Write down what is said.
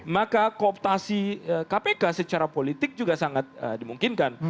maka kooptasi kpk secara politik juga sangat dimungkinkan